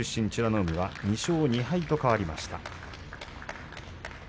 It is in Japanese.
海は２勝２敗と変わりました。